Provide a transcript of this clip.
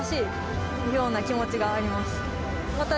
ような気持ちがあります。